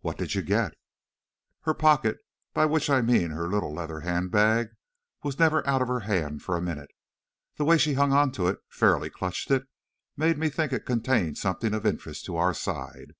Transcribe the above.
"What did you get?" "Her pocket, by which I mean her little leather hand bag, was never out of her hand for a minute! The way she hung on to it, fairly clutched it, made me think it contained something of interest to our side.